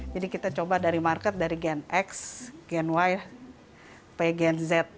jadi kita coba dari market dari gen x gen y sampai gen z